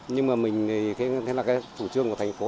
nhưng mà mình thì thế là cái chủ trường của thành phố